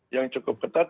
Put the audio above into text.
yang cukup ketat